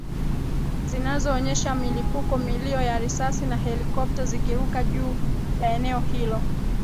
zinazoonyesha milipuko milio ya risasi na helikopta zikiruka juu ya eneo hilo